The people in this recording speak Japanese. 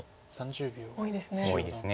多いですね。